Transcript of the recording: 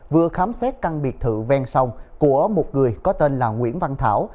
vừa khám xét căn biệt thự ven sông của một người có tên là nguyễn văn thảo